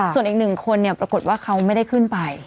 ส่วนอีกหนึ่งคนปรากฏว่าเขาไม่ได้ขึ้นไป